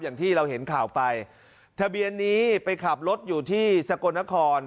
อย่างที่เราเห็นข่าวไปทะเบียนนี้ไปขับรถอยู่ที่สกลนคร